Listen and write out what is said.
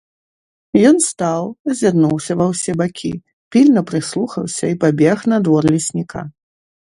Ён стаў, азірнуўся ва ўсе бакі, пільна прыслухаўся і пабег на двор лесніка.